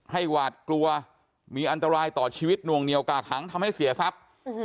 หวาดกลัวมีอันตรายต่อชีวิตนวงเหนียวกากหังทำให้เสียทรัพย์